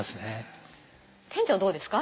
店長どうですか？